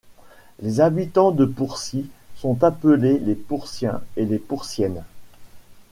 Les habitants de Pourcy sont appelés les Pourciens et les Pourciennes.